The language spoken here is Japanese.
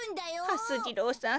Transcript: はす次郎さん